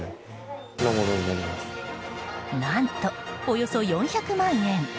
何と、およそ４００万円。